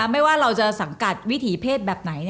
ไม่ว่าเราจะสังกัดวิถีเพศแบบไหน